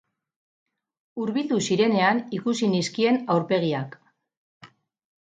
Hurbildu zirenean ikusi nizkien aurpegiak.